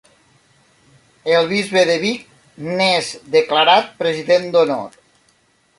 El bisbe de Vic n'és declarat president d'Honor.